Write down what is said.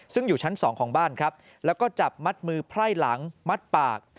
ซึ่งอยู่ชั้นสองของบ้านครับแล้วก็จับมัดมือไพร่หลังมัดปาก